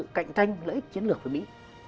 có sự cạnh tranh lợi ích chiến lược với mỹ